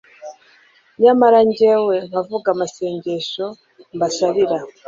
nyamara jyewe nkavuga amasengesho mbasabira